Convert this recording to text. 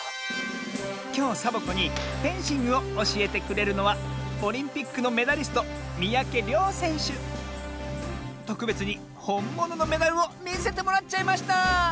きょうサボ子にフェンシングをおしえてくれるのはオリンピックのメダリストとくべつにほんもののメダルをみせてもらっちゃいました！